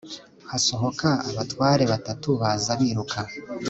Hasohoka abatware batatu baza biruka